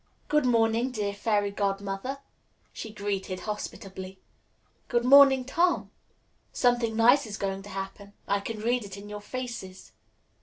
"Good morning, dear Fairy Godmother," she greeted hospitably. "Good morning, Tom. Something nice is going to happen. I can read it in your faces."